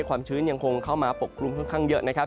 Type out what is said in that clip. ความชื้นยังคงเข้ามาปกคลุมค่อนข้างเยอะนะครับ